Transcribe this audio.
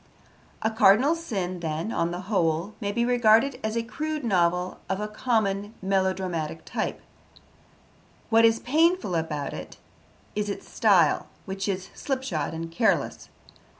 A Cardinal Sin, then, on the whole, may be regarded as a crude novel of a common melodramatic type. What is painful about it is its style, which is slipshod and careless.